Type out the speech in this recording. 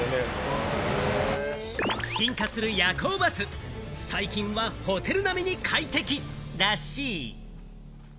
進化する夜行バス、最近はホテル並みに快適らしい。